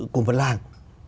của một làng